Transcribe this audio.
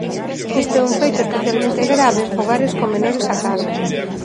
Isto é un feito especialmente grave en fogares con menores a cargo.